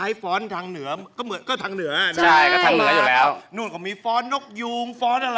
อย่างนี้ก็คือฟ้อน